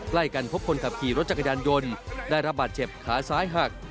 ใกล้กันพบคนขับขี่รถจักรยานยนต์ได้รับบาดเจ็บขาซ้ายหัก